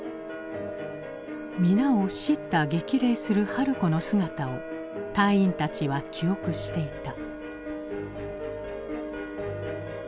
皆を叱咤激励する春子の姿を隊員たちは記憶していた。